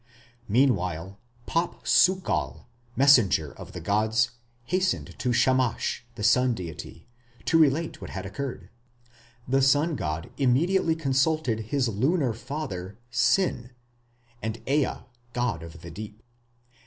Meanwhile Pap sukal, messenger of the gods, hastened to Shamash, the sun deity, to relate what had occurred. The sun god immediately consulted his lunar father, Sin, and Ea, god of the deep.